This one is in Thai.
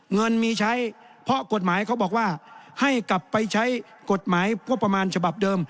เงินมีใช้เพราะกฎหมายเขาบอกว่าให้กลับไปใช้กฎหมายงบประมาณฉบับเดิม